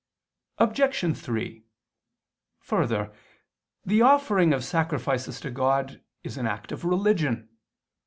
Obj. 3: Further, the offering of sacrifices to God is an act of religion.